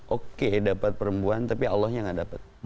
oke dapat perempuan tapi allahnya gak dapat